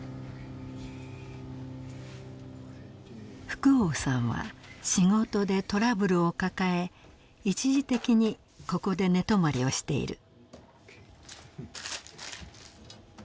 福王さんは仕事でトラブルを抱え一時的にここで寝泊まりをしている。